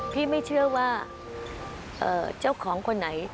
ไม่เชื่อว่าเจ้าของคนไหน